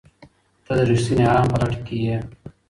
ته د رښتیني ارام په لټه کې یې؟